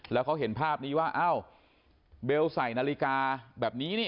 แล้วเขาเห็นภาพนี้ว่าอ้าวเบลใส่นาฬิกาแบบนี้นี่